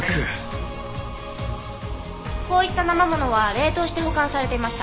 こういった生ものは冷凍して保管されていました。